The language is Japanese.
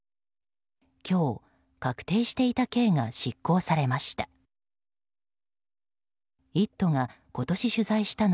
今日、確定していた刑が執行されました。